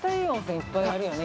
いっぱいあるよね